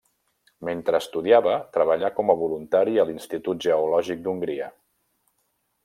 Mentre estudiava, treballà com a voluntari a l'Institut Geològic d'Hongria.